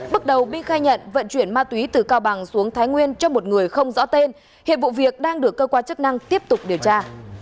bước đầu my khai nhận vận chuyển ma túy từ cao bằng xuống thái nguyên cho một người không rõ tên hiệp vụ việc đang được cơ quan chức năng tiếp tục điều tra